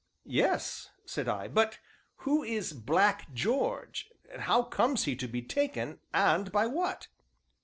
"Yes," said I, "but who is Black George; how comes he to be 'taken,' and by what?"